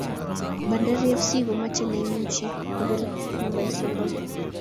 Bnadari fc komache chito neimuche kopir nambai sokol